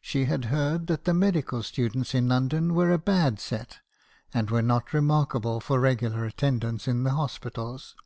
She had heard that the medical students in London were a bad set, and were not remarkable for regular attendance in the hospitals.